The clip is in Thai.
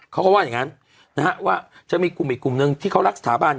เขาก็ว่าอย่างนั้นนะฮะว่าจะมีกลุ่มอีกกลุ่มนึงที่เขารักสถาบัน